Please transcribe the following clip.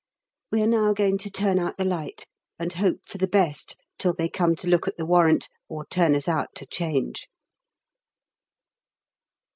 We are now going to turn out the light, and hope for the best till they come to look at the warrant or turn us out to change.